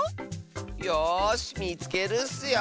よしみつけるッスよ。